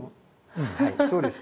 うんはいそうです。